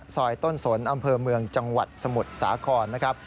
ซอยต้นสนอำเภอเมืองจังหวัดสมุทรสาครนะครับ